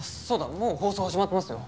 もう放送始まってますよ